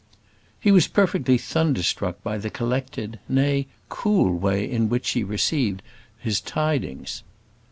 He was perfectly thunderstruck by the collected nay, cool way in which she received his tidings.